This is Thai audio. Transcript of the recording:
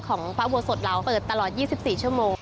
ของพระอุโบสถเราเปิดตลอด๒๔ชั่วโมง